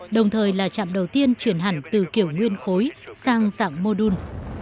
đồng thời là trạm đầu tiên chuyển hẳn từ kiểu nguyên khối sang dạng mô đun